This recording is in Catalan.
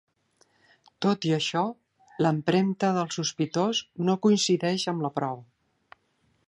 Tot i això, l'empremta del sospitós no coincideix amb la prova.